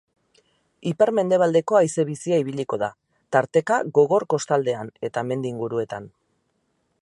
Ipar-mendebaldeko haize bizia ibiliko da, tarteka gogor kostaldean eta mendi inguruetan.